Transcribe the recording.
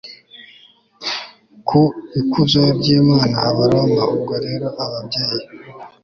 ku ikuzo ry Imana Abaroma Ubwo rero ababyeyi